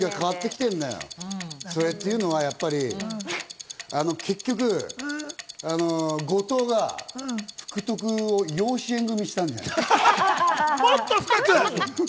それっていうのは、やっぱり結局、後藤が福徳を養子縁組したんじゃない？